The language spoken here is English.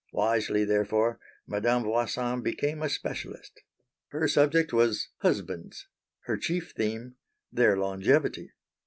Wisely therefore, Madame Voisin became a specialist. Her subject was husbands; her chief theme their longevity.